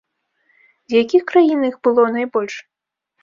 З якіх краін іх было найбольш?